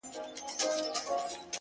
مخ ځيني واړوه ته!